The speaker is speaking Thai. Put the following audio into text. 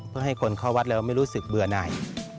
เพื่อให้คนเข้าวัดแล้วไม่รู้สึกเบื่อไหน